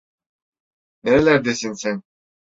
Nerelerdesin sen?